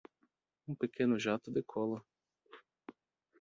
um pequeno jato decola.